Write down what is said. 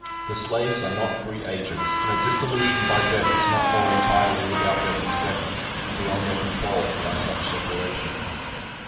The slaves are not free agents; and a dissolution by death is not more entirely without their consent, and beyond their control than by such separation."